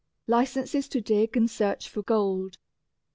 Licenses to Dig and Search for Gold.